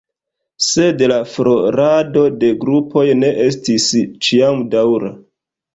Sed la florado de grupoj ne estis ĉiam daŭra.